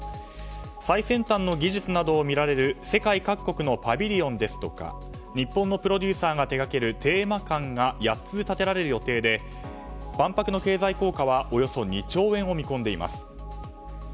最先端の技術などを見られる世界各国のパビリオンや日本のプロデューサーが手掛けるテーマ館が８つ、建てられる予定で万博の経済効果はおよそ２兆円を見込んでいます。